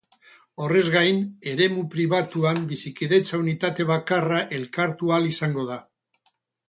Horrez gain, eremu pribatuan bizikidetza unitate bakarra elkartu ahal izango da.